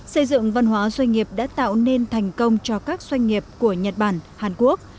xây dựng văn hóa doanh nghiệp đã tạo nên thành công cho các doanh nghiệp của nhật bản hàn quốc